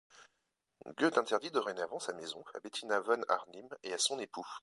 Goethe interdit dorénavant sa maison à Bettina von Arnim et à son époux.